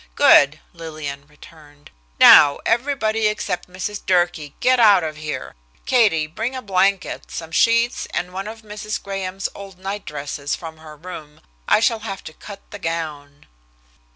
"Good," Lillian returned. "Now everybody except Mrs. Durkee get out of here. Katie, bring a blanket, some sheets, and one of Mrs. Graham's old nightdresses from her room. I shall have to cut the gown."